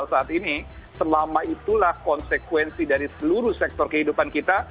saat ini selama itulah konsekuensi dari seluruh sektor kehidupan kita